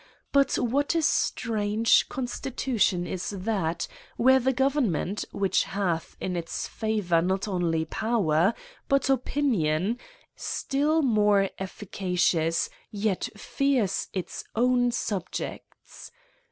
But what a strange constitution is that where the government^ which hath in its favour not only power, but opi nion, still more efficacious, yet fears its own sub* jects?